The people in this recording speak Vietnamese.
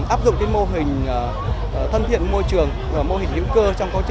áp dụng mô hình thân thiện môi trường và mô hình hữu cơ